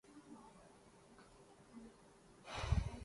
ان میں سے کچھ جانوروں کو زندہ حالت میں ہی منجمد کردیا گیا تھا۔